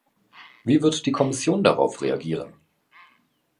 Wie wird die Kommission darauf reagieren?